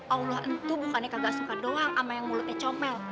allah itu bukannya kagak suka doang sama yang mulutnya comel